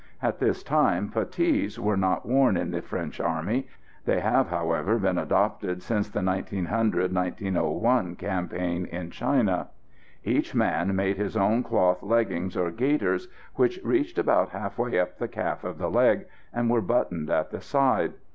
At this time putties were not worn in the French army; they have, however, been adopted since the 1900 01 campaign in China. Each man made his own cloth leggings or gaiters, which reached about half way up the calf of the leg, and were buttoned at the side.